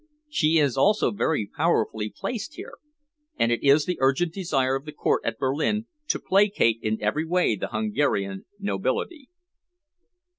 She is also very powerfully placed here, and it is the urgent desire of the Court at Berlin to placate in every way the Hungarian nobility.